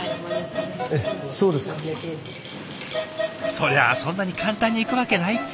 そりゃあそんなに簡単にいくわけないっつの。